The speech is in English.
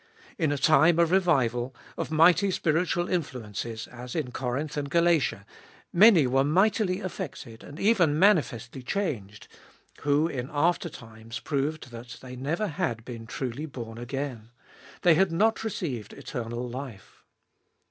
In a time of revival, of mighty spiritual influences, as in Corinth and Galatia, many were mightily affected and even manifestly ibolfest of BU 209 changed, who in after times proved that they never had been truly born again ; they had not received eternal life.